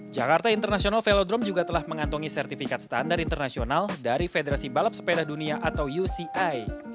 jakarta international velodrome juga telah mengantongi sertifikat standar internasional dari federasi balap sepeda dunia atau uci